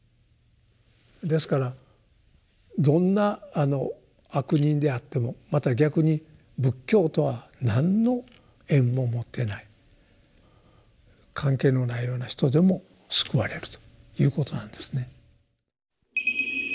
ですからどんな「悪人」であってもまた逆に仏教とは何の縁も持ってない関係のないような人でも救われるということなんですね。